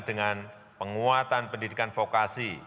dengan penguatan pendidikan vokasi